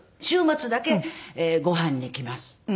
週末だけご飯に行きます。